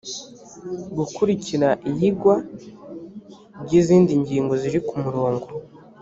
gukurikira iyigwa ry izindi ngingo ziri ku murongo